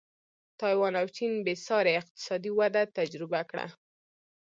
تایوان او چین بېسارې اقتصادي وده تجربه کړه.